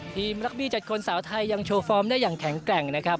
รักบี้๗คนสาวไทยยังโชว์ฟอร์มได้อย่างแข็งแกร่งนะครับ